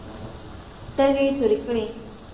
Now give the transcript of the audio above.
سترگې يې تورې کړې.